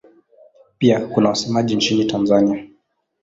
Pia kuna wasemaji nchini Tanzania.